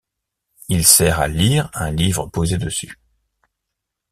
Il sert à lire un livre posé dessus.